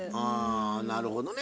あなるほどね。